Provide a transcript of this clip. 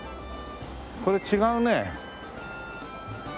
これ違うね。